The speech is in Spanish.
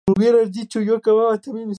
El perianto es de color amarillo brillante.